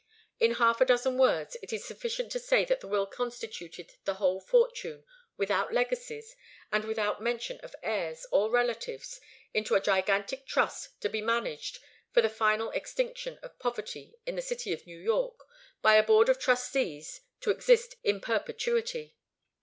In half a dozen words, it is sufficient to say that the will constituted the whole fortune, without legacies, and without mention of heirs or relatives, into a gigantic trust, to be managed, for the final extinction of poverty in the city of New York, by a board of trustees, to exist in perpetuity.